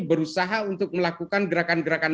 berusaha untuk melakukan gerakan gerakan